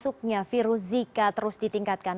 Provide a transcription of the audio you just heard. masuknya virus zika terus ditingkatkan